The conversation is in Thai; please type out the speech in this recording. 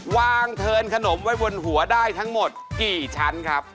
เทินขนมไว้บนหัวได้ทั้งหมดกี่ชั้นครับ